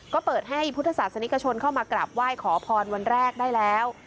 ก็เปิดให้พุทธศาสนิกชนเข้ามากราบไหว้ขอพรวันแรกได้แล้ว